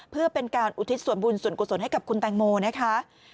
เพื่อเป็นการอุทิศส่วนบุญส่วนกุศลให้กับคุณแตงโมนะคะ